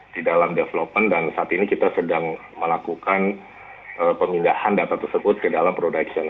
di dalam development dan saat ini kita sedang melakukan pemindahan data tersebut ke dalam production